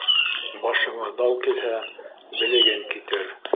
Башыңа дау килһә, белеген китер.